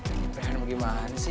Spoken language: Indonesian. rehan gimana sih